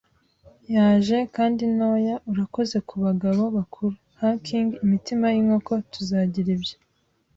yaje, kandi ntoya urakoze kubagabo bakuru, hulking, imitima yinkoko. Tuzagira ibyo